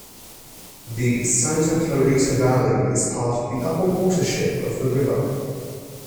The Santa Clarita Valley is part of the upper watershed of the river.